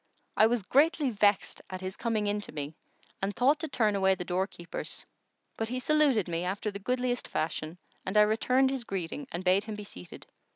I was greatly vexed at his coming in to me and thought to turn away the doorkeepers; but he saluted me after the goodliest fashion and I returned his greeting and bade him be seated.